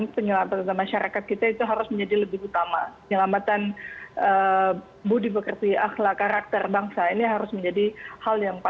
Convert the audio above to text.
penjara kita nanti akan bahas usaha jeda